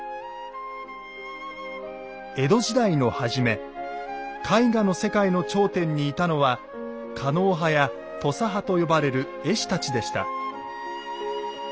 江戸時代のはじめ絵画の世界の頂点にいたのは「狩野派」や「土佐派」と呼ばれる絵師たちでした。